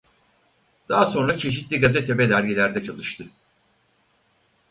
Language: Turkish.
Daha sonra çeşitli gazete ve dergilerde çalıştı.